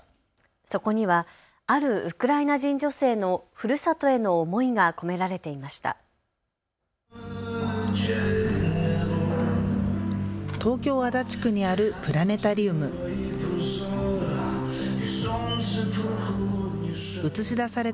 そこにはあるウクライナ人女性のふるさとへの思いが込められていました。